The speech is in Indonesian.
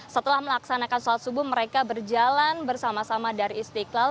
setelah melaksanakan selasubu mereka berjalan bersama sama dari istiqlal